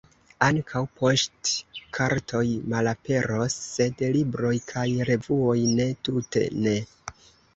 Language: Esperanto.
Ankaŭ poŝtkartoj malaperos, sed libroj kaj revuoj, ne, tute ne!